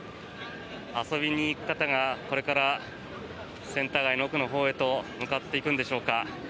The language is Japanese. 遊びに行く方が、これからセンター街の奥のほうへと向かっていくんでしょうか。